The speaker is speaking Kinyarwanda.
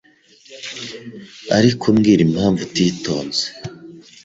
Ariko mbwira impamvu utitonze